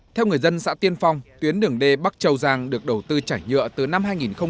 theo người dân xã tiên phong tuyến đường d bắc châu giang được đầu tư chảy nhựa từ năm hai nghìn một mươi